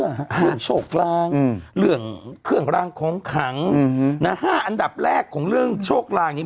เรื่องโชคลางเรื่องเครื่องรางของขัง๕อันดับแรกของเรื่องโชคลางนี้